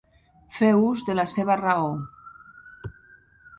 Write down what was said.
Fer ús de la seva raó.